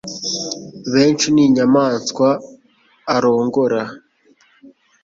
Benshi ni inyamaswa arongora